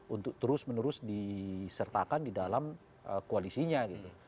untuk terus menerus disertakan di dalam koalisinya gitu